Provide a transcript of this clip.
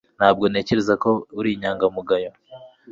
Ntabwo ntekereza ko uri inyangamugayo